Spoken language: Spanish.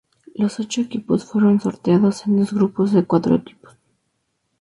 Los ocho equipos fueron sorteados en dos grupos de cuatro equipos.